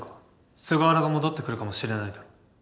菅原が戻ってくるかもしれないだろ？